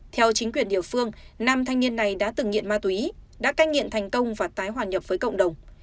theo chính quyền địa phương nam thanh niên này đã từng nghiện ma túy đã cai nghiện thành công và tái hoàn nhập với cộng đồng